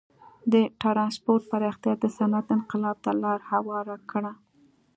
د ټرانسپورت پراختیا د صنعت انقلاب ته لار هواره کړه.